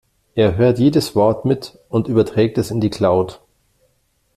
Er hört jedes Wort mit und überträgt es in die Cloud.